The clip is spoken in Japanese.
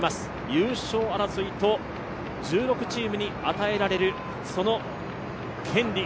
優勝争いと１６チームに与えられるその権利。